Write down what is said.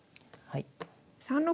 はい。